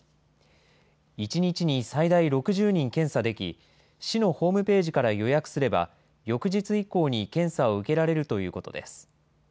１日に最大６０人検査でき、市のホームページから予約すれば、翌日以降に検査を受けられるということです。